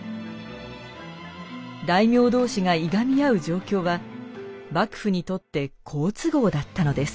大名同士がいがみ合う状況は幕府にとって好都合だったのです。